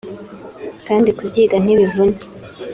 kandi kubyiga ntibivuna